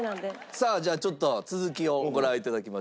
さあじゃあちょっと続きをご覧頂きましょう。